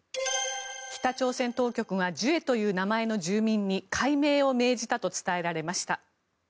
北朝鮮当局がジュエという名前の住民に改名を命じたと伝えられました。